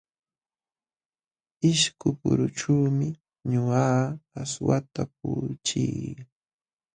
Ishkupurućhuumi ñuqaqa aswata puquchii.